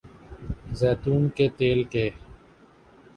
زیتون کے تیل کے